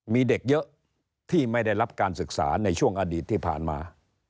มีเด็กเยอะที่ไม่ได้รับการศึกษาในช่วงอดีตที่ผ่านมา